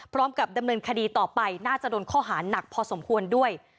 พร้อมกับดำเนินคดีต่อไปน่าจะโดนข้อหาหนักพอสมควรด้วย